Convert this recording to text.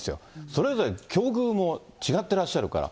それぞれ境遇も違ってらっしゃるから。